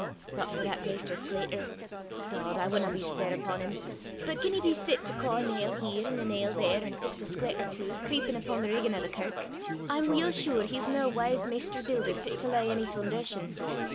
"But for that Maister Scletter dod! I wadna be sair upon 'im but gien he be fit to caw a nail here an' a nail there, an fix a sklet or twa, creepin' upo' the riggin' o' the kirk, I'm weel sure he's nae wise maister builder fit to lay ony fundation.